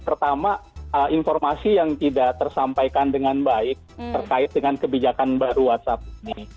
pertama informasi yang tidak tersampaikan dengan baik terkait dengan kebijakan baru whatsapp ini